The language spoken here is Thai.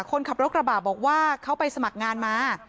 คนขับรถกระบะบอกว่าเขาไปสมัครงานมา